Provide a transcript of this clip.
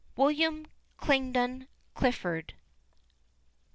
WILLIAM KINGDON CLIFFORD.